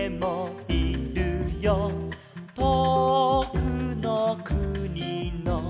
「とおくのくにの」